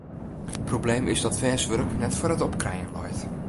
Probleem is dat fêst wurk net foar it opkrijen leit.